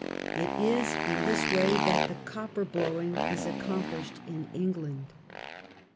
It is in this way that the "copper blowing^ lis accomplished in England.